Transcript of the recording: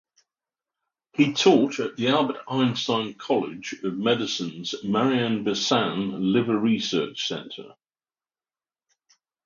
He taught at the Albert Einstein College of Medicine‘s Marion Bessin Liver Research Center.